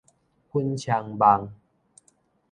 粉腸夢